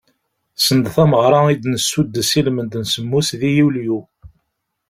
Send tameɣra i d-nessuddes i lmend n semmus di yulyu.